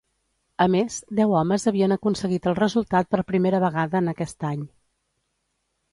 A més, deu homes havien aconseguit el resultat per primera vegada en aquest any.